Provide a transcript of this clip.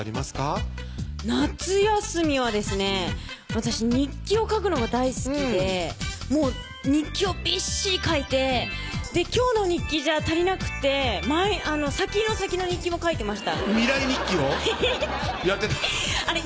私日記を書くのが大好きでもう日記をびっしり書いて今日の日記じゃ足りなくて先の先の日記も書いてました未来日記をやってたの？